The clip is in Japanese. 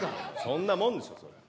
そんなもんでしょそれは。